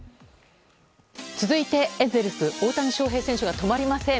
続いてエンゼルス大谷翔平選手が止まりません。